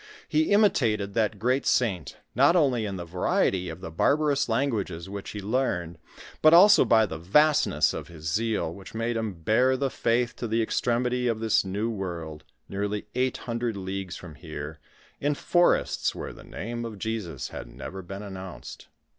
He imitated that great saint, not only in the variety of the barbarous languages which he leamed, but also by the vastness of his zeal which made liim bear the faith to the extremity of this new world, nearly eight hundred leagues from here, in forests where the name of Jesus had never been announced.